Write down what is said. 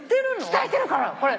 伝えてるからこれ。